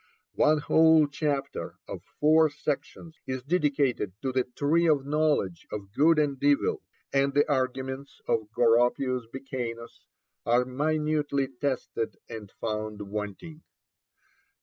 One whole chapter of four sections is dedicated to the Tree of Knowledge of Good and Evil, and the arguments of Goropius Becanus are minutely tested and found wanting.